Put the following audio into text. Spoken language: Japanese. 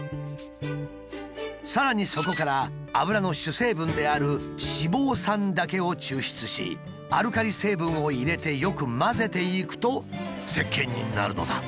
さらにそこから油の主成分である脂肪酸だけを抽出しアルカリ成分を入れてよく混ぜていくとせっけんになるのだ。